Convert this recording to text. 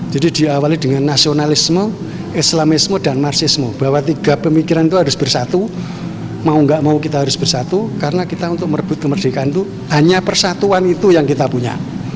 jadi diawali dengan nasionalisme islamisme dan marxisme bahwa tiga pemikiran itu harus bersatu mau gak mau kita harus bersatu karena kita untuk merebut kemerdekaan itu hanya persatuan itu yang kita punya